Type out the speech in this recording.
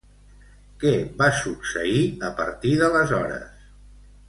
Què va succeir a partir d'aleshores?